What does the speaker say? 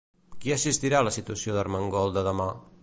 Qui assistirà a la citació d'Armengol de demà?